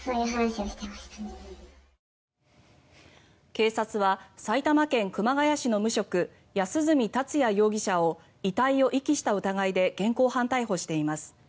警察は埼玉県熊谷市の無職安栖達也容疑者を遺体を遺棄した疑いで現行犯逮捕しています。